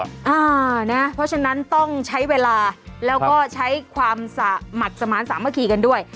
เพราะฉะนั้นต้องใช้เวลาแล้วก็ใช้ความสะหมัดสมาร์ทสามัคคีกันด้วย